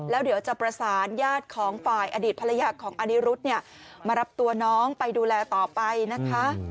แล้วเดี๋ยวจะประสานญาติของฝ่ายอดีตภรรยาของอนิรุธเนี่ยมารับตัวน้องไปดูแลต่อไปนะคะ